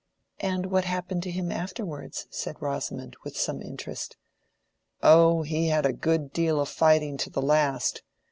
"And what happened to him afterwards?" said Rosamond, with some interest. "Oh, he had a good deal of fighting to the last.